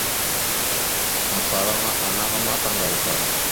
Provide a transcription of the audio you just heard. Afalaŋana anaha ma taŋgawakala.